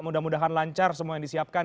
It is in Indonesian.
mudah mudahan lancar semua yang disiapkan